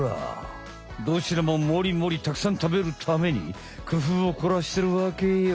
どちらもモリモリたくさん食べるためにくふうをこらしてるわけよ。